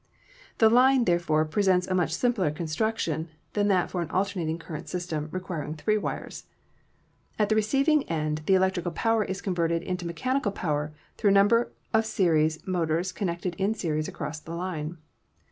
The line, therefore, presents a much simpler construction than that for an alternating current 222 ELECTRICITY system requiring three wires. At the receiving end the electrical power is converted into mechanical power through a number of series motors connected in series across the line.